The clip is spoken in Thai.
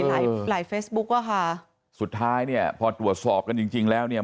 หลายหลายเฟซบุ๊คอะค่ะสุดท้ายเนี่ยพอตรวจสอบกันจริงจริงแล้วเนี่ย